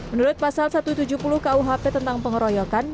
menurut pasal satu ratus tujuh puluh kuhp tentang pengeroyokan